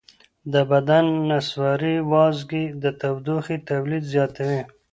د بدن نسواري وازګې د تودوخې تولید زیاتوي.